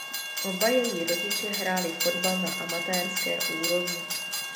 Oba její rodiče hráli fotbal na amatérské úrovni.